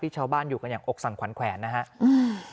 ชาวบ้านอยู่กันอย่างอกสั่นขวัญแขวนนะครับ